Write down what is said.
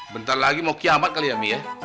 bentar lagi mau kiamat kali ya mi ya